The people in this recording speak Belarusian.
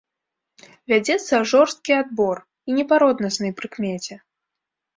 Вядзецца жорсткі адбор, і не па роднаснай прыкмеце.